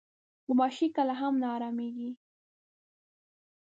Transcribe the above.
غوماشې کله هم نه ارامېږي.